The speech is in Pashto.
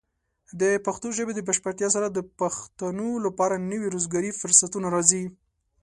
د پښتو ژبې د بشپړتیا سره، د پښتنو لپاره نوي روزګاري فرصتونه راځي.